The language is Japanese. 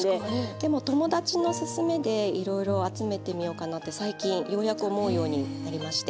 でも友達のすすめでいろいろ集めてみようかなって最近ようやく思うようになりまして。